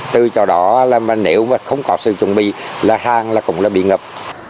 từ chợ đó nếu không có sự chuẩn bị là hàng cũng bị ngập